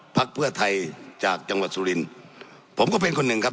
พักเพื่อไทยจากจังหวัดสุรินทร์ผมก็เป็นคนหนึ่งครับ